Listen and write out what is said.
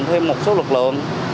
thêm một số lực lượng